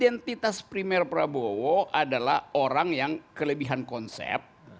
identitas primer prabowo adalah orang yang kelebihan konsep